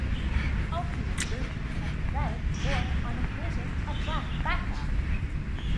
Alternate versions had a red or, on occasion, a black background.